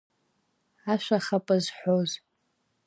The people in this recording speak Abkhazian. Ашәа ахапа зҳәоз!